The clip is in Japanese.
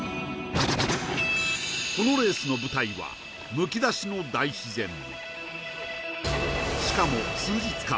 このレースの舞台はむき出しの大自然しかも数日間